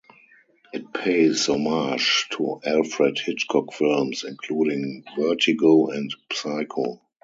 It pays homage to Alfred Hitchcock films including "Vertigo" and "Psycho".